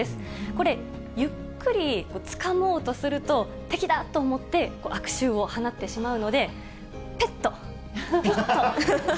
これ、ゆっくりつかもうとすると、敵だと思って、悪臭を放ってしまうので、ペッと、ペッと。